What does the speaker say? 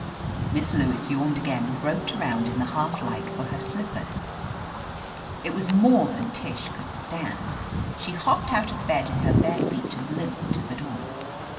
Miss Lewis yawned again and groped around in the half light for her slippers. It was more than Tish could stand. She hopped out of bed in her bare feet and limped to the door.